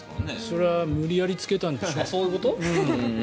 それは無理やりつけたんでしょ。